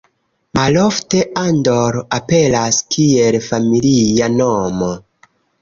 Malofte Andor aperas kiel familia nomo.